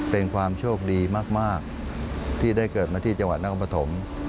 เป็นความโชคดีมากที่ได้เกิดมาที่จังหวัดนครปฐม